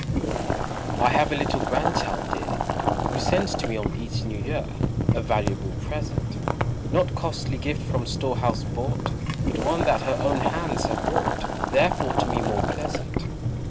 I have a little Grandchild dear, Who sends to me on each new year A valuable present: Not costly gift from store house bought, But one that her own hands have wrought, Therefore to me more pleasant.